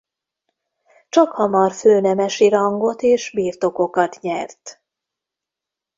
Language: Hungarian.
Csakhamar főnemesi rangot és birtokokat nyert.